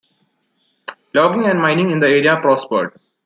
Logging and mining in the area prospered.